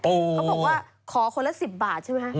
เขาบอกว่าขอคนละ๑๐บาทใช่ไหมคะ